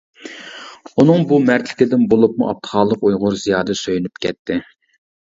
ئۇنىڭ بۇ مەردلىكىدىن، بولۇپمۇ ئابدۇخالىق ئۇيغۇر زىيادە سۆيۈنۈپ كەتتى.